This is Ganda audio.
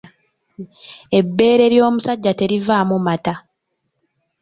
Ebbeere ly’omusajja terivaamu mata.